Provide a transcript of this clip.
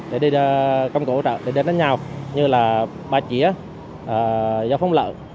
để đi công cụ hỗ trợ để đến đánh nhau như là ba chỉa do phóng lợ